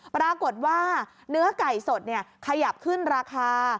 ปรากฏว่าเนื้อไก่สดขยับขึ้นราคา